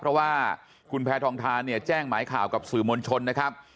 เพราะว่าคุณแพทองทานเนี่ยแจ้งหมายข่าวกับสื่อมวลชนนะครับ